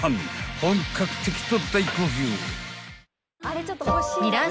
本格的と大好評］